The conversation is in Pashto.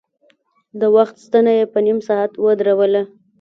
د وخت ستنه يې په نيم ساعت ودروله.